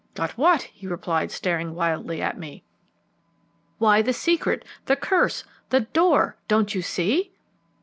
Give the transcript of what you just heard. "Got what?" he replied, staring wildly at me. "Why, the secret the curse the door. Don't you see?"